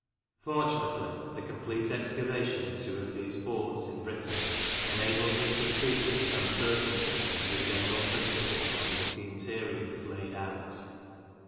Fortunately, the complete excavation of two of these forts in Britain enables us to speak with some certainty as to the general principles on which the interior was laid out.